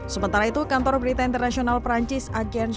sementara itu kantor berita internasional perancis agens